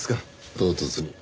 唐突に。